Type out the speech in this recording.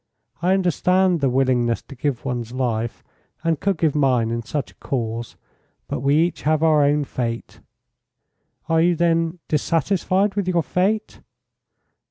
I understand the willingness to give one's life, and could give mine in such a cause, but we each have our own fate." "Are you, then, dissatisfied with your fate?"